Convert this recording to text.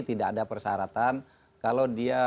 tidak ada persyaratan kalau dia